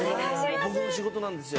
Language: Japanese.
僕の仕事なんですよ。